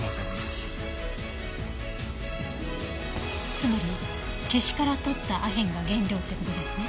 つまりケシからとったアヘンが原料って事ですね？